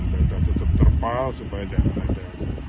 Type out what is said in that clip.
kemudian kita tutup terpal supaya jangan ada